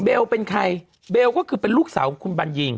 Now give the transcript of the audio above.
เป็นใครเบลก็คือเป็นลูกสาวของคุณบัญญิง